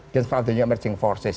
dan selanjutnya merchand forces